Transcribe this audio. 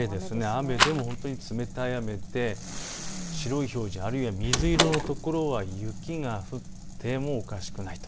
雨で、本当に冷たい雨で白い表示あるいは水色の所は雪が降ってもおかしくないと。